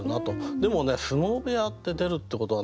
でもね「相撲部屋」って出るってことはね